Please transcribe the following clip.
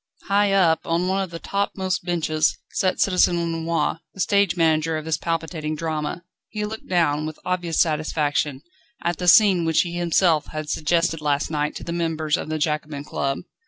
High up, on one of the topmost benches, sat Citizen Lenoir, the stage manager of this palpitating drama. He looked down, with obvious satisfaction, at the scene which he himself had suggested last night to the members of the Jacobin Club.